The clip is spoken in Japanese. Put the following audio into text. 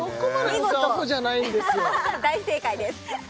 見事大正解です